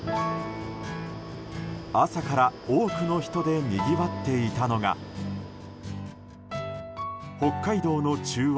朝から多くの人でにぎわっていたのが北海道の中央